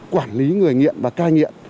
quản lý người nghiện và cai nghiện